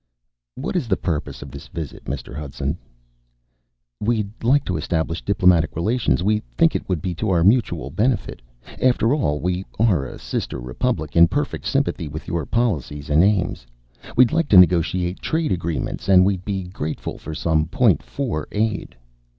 "What is the purpose of this visit, Mr. Hudson?" "We'd like to establish diplomatic relations. We think it would be to our mutual benefit. After all, we are a sister republic in perfect sympathy with your policies and aims. We'd like to negotiate trade agreements and we'd be grateful for some Point Four aid."